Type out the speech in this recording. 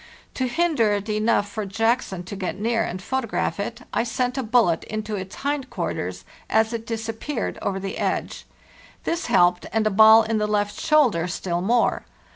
To hinder it enough for Jackson to get near and photograph it, I sent a bullet into its hind quarters as it disappeared over the edge. This helped, and a ball in the left shoulder still more.